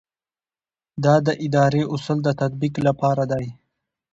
دا د اداري اصولو د تطبیق لپاره دی.